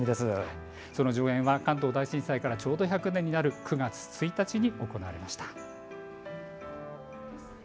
その上演は関東大震災からちょうど１００年になる９月１日に行われました。